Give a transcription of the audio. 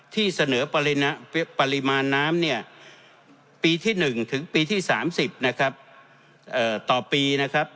ที่เสนอปริมาณน้ำปีที่๑ถึงปีที่๓๐ต่อปี